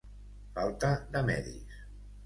Falta de medis.